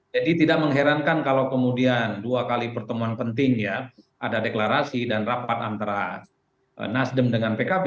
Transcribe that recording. jadi tidak mengherankan kalau kemudian dua kali pertemuan penting ya ada deklarasi dan rapat antara nasdem dengan pkb